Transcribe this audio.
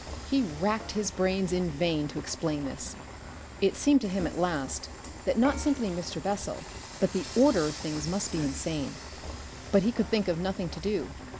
He racked his brains in vain to explain this. It seemed to him at last that not simply Mr. Bessel, but the order of things must be insane. But he could think of nothing to do.